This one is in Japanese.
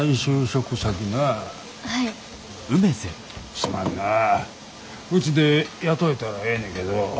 すまんなうちで雇えたらええねけど。